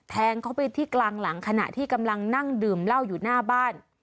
แทงเขาไปที่กลางหลังขณะที่กำลังนั่งดื่มเหล้าอยู่หน้าบ้าน